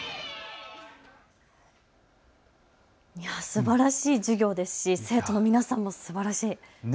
すばらしい授業ですし生徒の皆さんもすばらしい。